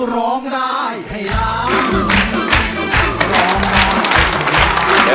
ร้องได้ให้ล้าน